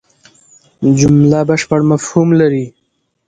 جمله بشپړ مفهوم لري.